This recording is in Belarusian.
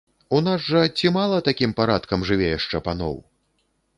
У нас жа ці мала такім парадкам жыве яшчэ паноў!